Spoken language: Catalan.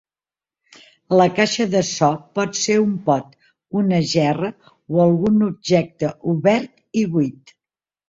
La caixa de so pot ser un pot, una gerra o algun objecte obert i buit.